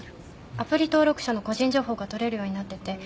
アプリ登録者の個人情報が取れるようになっててそれを。